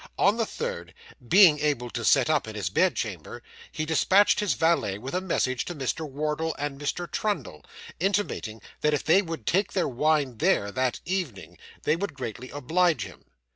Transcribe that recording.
On the third, being able to sit up in his bedchamber, he despatched his valet with a message to Mr. Wardle and Mr. Trundle, intimating that if they would take their wine there, that evening, they would greatly oblige him.